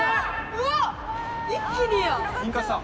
うわっ一気にや！